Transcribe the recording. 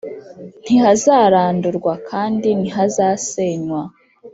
Ntihazarandurwa kandi ntihazasenywa .